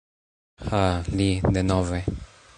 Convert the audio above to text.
Ha, li... denove?!